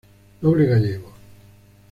Noble gallego.